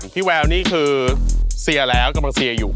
แววนี่คือเสียแล้วกำลังเซียอยู่